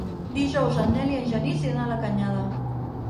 Dijous en Nel i en Genís iran a la Canyada.